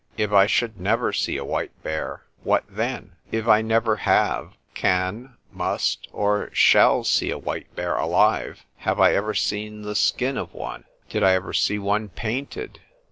If I should never see a white bear, what then? If I never have, can, must, or shall see a white bear alive; have I ever seen the skin of one? Did I ever see one painted?